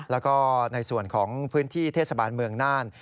แล้วก็ในส่วนของพื้นที่เทศบาลเมืองน่าน